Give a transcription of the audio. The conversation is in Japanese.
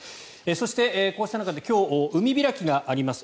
そして、こうした中で今日、海開きがあります。